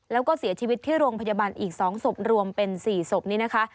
แล้วก็เสียชีวิตที่โรงพยาบาลอีก๒ศพรวมเป็น๔ศพนี้นะคะ